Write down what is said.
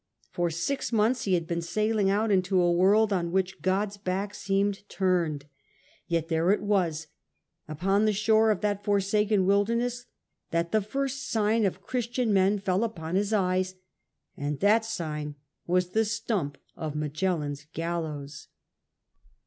For six months he had been sailing out into a world on which God's back seemed turned. Yet 72 S//^ FRANCIS DRAKE chap. there it was, upon the shore of that forsaken wilderness, that the first sign of Christian men fell upon his eyes ; and that sign was the stump of Magellan's gallows.